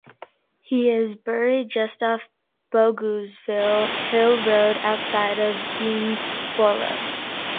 He is buried just off Bogusville Hill Road outside of Deansboro.